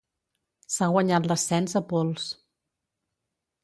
S'ha guanyat l'ascens a pols.